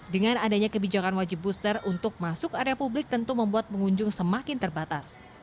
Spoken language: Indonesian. dengan adanya kebijakan wajib booster untuk masuk area publik tentu membuat pengunjung semakin terbatas